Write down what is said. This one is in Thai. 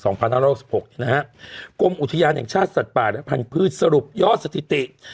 กรมอุทยานแห่งชาติสัตว์ป่าและพันธุ์สรุปยอดสถิติ